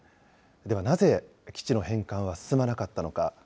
ではなぜ、基地の返還は進まなかったのか。